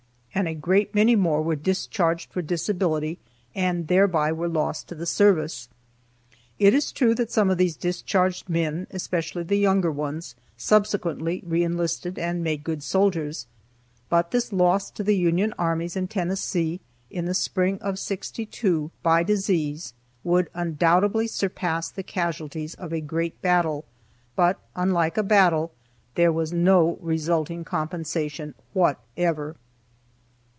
And a great many more were discharged for disability and thereby were lost to the service. It is true that some of these discharged men, especially the younger ones, subsequently re enlisted, and made good soldiers. But this loss to the Union armies in Tennessee in the spring of '62 by disease would undoubtedly surpass the casualties of a great battle, but, unlike a battle, there was no resulting compensation whatever.